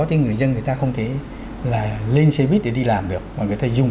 cho người dân người ta không thể là lên xe buýt để đi làm được mà người ta dùng